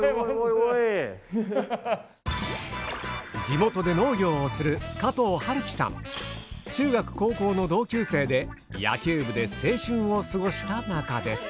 地元で農業をする中学・高校の同級生で野球部で青春を過ごした仲です。